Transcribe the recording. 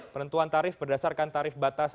penentuan tarif berdasarkan tarif batas